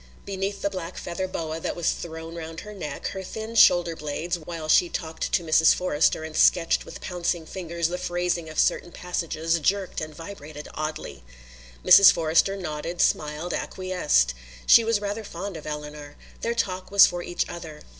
Beneath the black feather boa that was thrown round her neck, her thin shoulder blades, while she talked to Mrs. Forrester and sketched with pouncing fingers the phrasing of certain passages, jerked and vibrated oddly. Mrs. Forrester nodded, smiled, acquiesced. She was rather fond of Eleanor. Their talk was for each other.